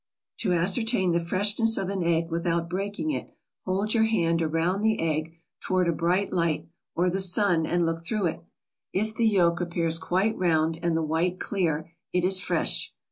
To ascertain the freshness of an egg without breaking it, hold your hand around the egg toward a bright light or the sun and look through it. If the yolk appears quite round and the white clear, it is fresh.